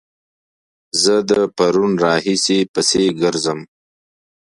زه د پرون راهيسې پسې ګرځم